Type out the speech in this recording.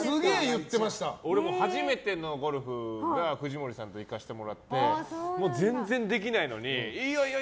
俺、初めてのゴルフ藤森さんと行かせてもらって全然できないのにいいよいいよ！